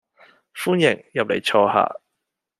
歡迎，入嚟坐下